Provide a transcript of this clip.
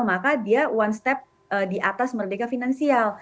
maka dia one step di atas merdeka finansial